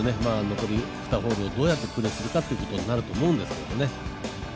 残り２ホールをどうやってプレーするかということになると思うんですけどね。